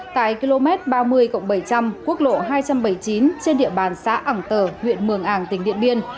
tại km ba mươi bảy trăm linh quốc lộ hai trăm bảy mươi chín trên địa bàn xã ảng tờ huyện mường ảng tỉnh điện biên